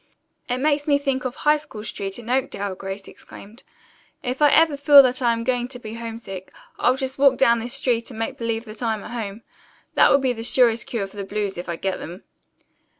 "It makes me think of High School Street in Oakdale!" Grace exclaimed. "If ever I feel that I'm going to be homesick, I'll just walk down this street and make believe that I'm at home! That will be the surest cure for the blues, if I get them."